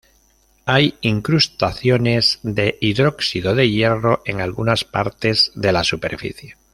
Hay incrustaciones de hidróxido de hierro en algunas partes de la superficie.